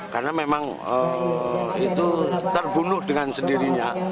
karena memang itu terbunuh dengan sendirinya